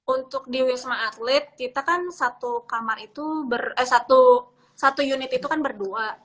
untuk di wisma atlet kita kan satu unit itu kan berdua